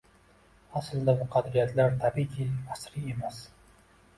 Aslida bu “qadriyatlar”, tabiiyki, asriy emas